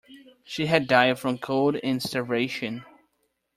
She had died from cold and starvation.